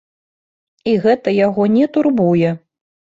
І гэта яго не турбуе.